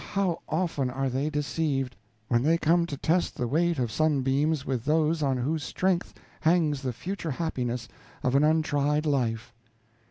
how often are they deceived, when they come to test the weight of sunbeams with those on whose strength hangs the future happiness of an untried life."